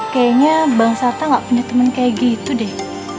kayaknya bang sarta gak punya temen kayak gitu deh